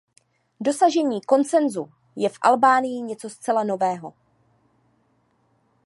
Dosažení konsenzu je v Albánii něco zcela nového.